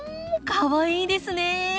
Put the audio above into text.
かわいいですね。